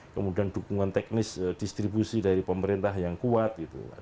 kemudian dukungan teknis distribusi dari pemerintah yang kuat gitu